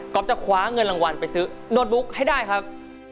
จะคว้าเงินรางวัลไปซื้อโน้ตบุ๊กให้ได้ครับ